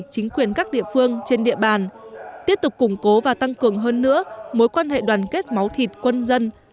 chính quyền các địa phương trên địa bàn tiếp tục củng cố và tăng cường hơn nữa mối quan hệ đoàn kết máu thịt quân dân